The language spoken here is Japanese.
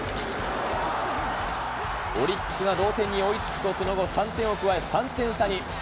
オリックスが同点に追いつくと、その後、３点を加え３点差に。